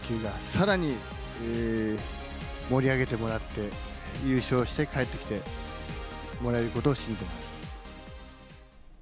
さらに盛り上げてもらって、優勝して帰ってきてもらえることを信じてます。